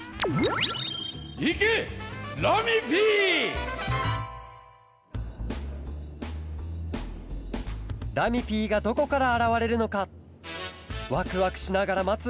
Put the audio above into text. いけラミＰ！ラミＰがどこからあらわれるのかわくわくしながらまつ